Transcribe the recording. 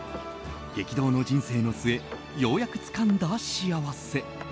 激動の人生の末ようやくつかんだ幸せ。